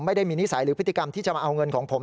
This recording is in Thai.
ไม่ได้มีนิสัยหรือพฤติกรรมที่จะมาเอาเงินของผม